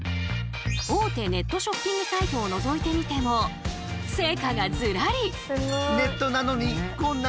大手ネットショッピングサイトをのぞいてみてもそう！